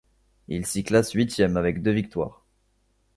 Il s'y classe huitième avec deux victoires.